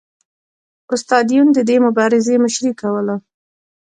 استاد یون د دې مبارزې مشري کوله